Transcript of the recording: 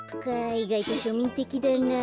いがいとしょみんてきだな。